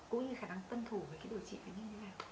cũng như khả năng tân thủ với cái điều trị nó như thế nào